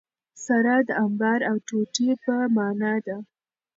سره د انبار او ټوټي په مانا ده.